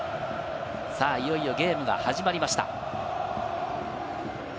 いよいよゲームが始まりました。